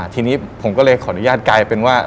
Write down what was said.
ทีนี้ผมก็เลยขออนุญาตกลายเป็นว่า